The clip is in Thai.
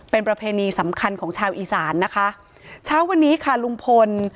เป็นประเพณีสำคัญของชาวอีสานนะคะเช้าวันนี้ค่ะลุงพล